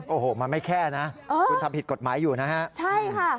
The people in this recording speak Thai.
โอ้โหมันไม่แค่นะคุณทำผิดกฎหมายอยู่นะฮะใช่ค่ะ